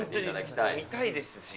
見たいですし。